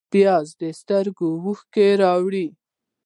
پیاز د سترګو اوښکې راوړي